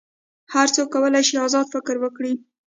هر څوک کولی شي آزاد فکر وکړي.